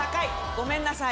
ごめんなさい。